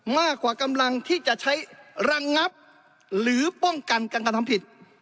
มากกว่ากำลังที่จะใช้ระงับหรือป้องกันการกระทำผิด